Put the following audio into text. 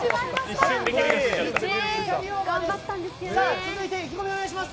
続いて意気込みをお願いします。